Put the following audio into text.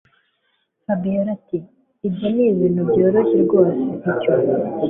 Fabiora ati ibyo ni ibintu byoroshye rwose icyo